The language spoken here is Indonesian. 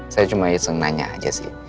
saya cuma iseng nanya aja sih